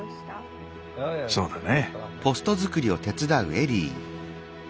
そうだね。